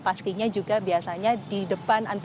pastinya juga biasanya di depan